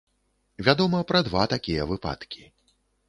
Вядома пра два такія выпадкі.